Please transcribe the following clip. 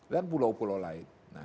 dan pulau pulau lain